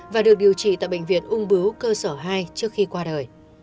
và được điều trị tại bệnh viện ung bướu cơ sở hai trước khi qua đời